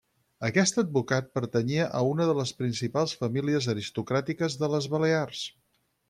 Aquest advocat pertanyia a una de les principals famílies aristocràtiques de les Balears.